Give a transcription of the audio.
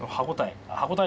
歯応え。